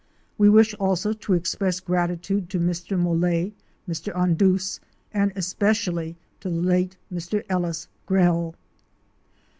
We wish also to express gratitude to Mr. Mole, Mr. Anduse and especially to the late Mr. Ellis Grell.